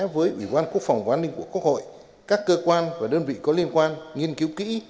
với ủy quan quốc phòng quán linh của quốc hội các cơ quan và đơn vị có liên quan nghiên cứu kỹ